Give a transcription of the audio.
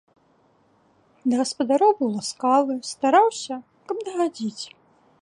Да гаспадароў быў ласкавы, стараўся, каб дагадзіць.